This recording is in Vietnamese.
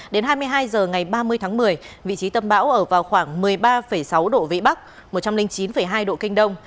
đến hai mươi hai h ngày ba mươi tháng một mươi vị trí tâm bão ở vào khoảng một mươi ba sáu độ vĩ bắc một trăm linh chín hai độ kinh đông